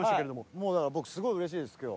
もうだから僕すごいうれしいです今日。